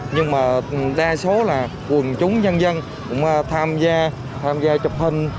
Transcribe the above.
nhưng mà đa số là quần chúng nhân dân cũng tham gia tham gia chụp hình